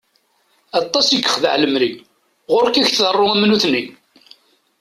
Aṭas i yexdeɛ lemri, ɣuṛ-k i k-tḍeṛṛu am nutni!